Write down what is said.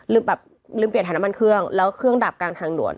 แบบลืมเปลี่ยนฐานน้ำมันเครื่องแล้วเครื่องดับกลางทางด่วน